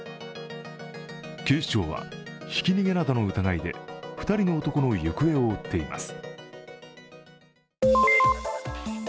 警視庁はひき逃げなどの疑いで２人の男の行方を追っています。